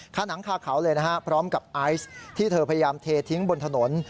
ขนังคาเขาเลยนะฮะพร้อมกับไอซ์ที่เธอพยายามเททิ้งบนถนน